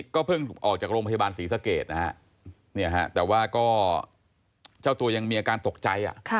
ก็เพิ่งออกจากโรงพยาบาลศรีสะเกดนะฮะแต่ว่าก็เจ้าตัวยังมีอาการตกใจ